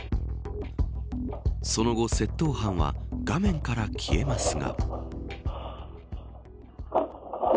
その後、窃盗犯は画面から消えますが。